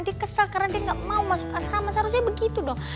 dia kesal karena dia nggak mau masuk asrama seharusnya begitu dong